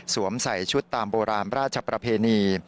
ใส่ชุดตามโบราณราชประเพณี